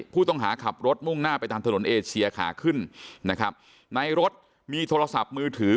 ผู้ต้องหาขับรถมุ่งหน้าไปตามถนนเอเชียขาขึ้นนะครับในรถมีโทรศัพท์มือถือ